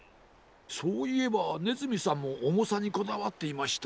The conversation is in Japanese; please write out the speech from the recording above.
そういえばねずみさんもおもさにこだわっていました。